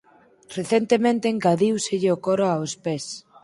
Recentemente engadíuselle o coro aos pés.